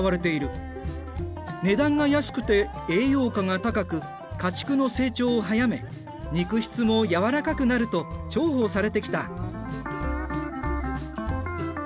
値段が安くて栄養価が高く家畜の成長を早め肉質もやわらかくなると重宝されてきた。